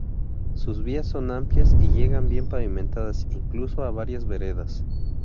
Sus vías son amplias, y llegan bien pavimentadas incluso a varias veredas.